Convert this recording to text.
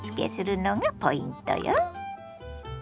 のがポイントよ。